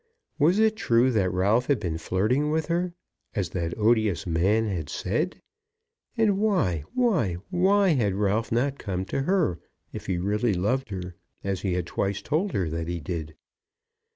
Was it true that Ralph had been flirting with her, as that odious man had said? And why, why, why had Ralph not come to her, if he really loved her, as he had twice told her that he did?